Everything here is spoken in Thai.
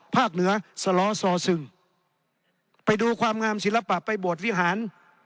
เหนือสล้อซอซึงไปดูความงามศิลปะไปบวชวิหาร